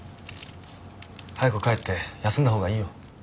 早く帰って休んだ方がいいよ。